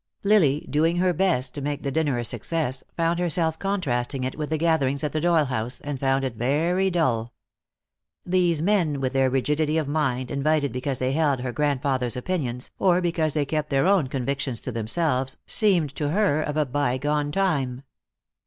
Lily, doing her best to make the dinner a success, found herself contrasting it with the gatherings at the Doyle house, and found it very dull. These men, with their rigidity of mind, invited because they held her grandfather's opinions, or because they kept their own convictions to themselves, seemed to her of a bygone time.